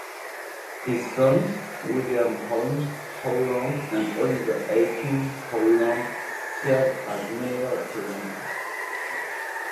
His sons, William Holmes Howland and Oliver Aiken Howland, served as mayors of Toronto.